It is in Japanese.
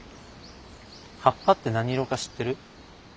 葉っぱって何色か知ってる？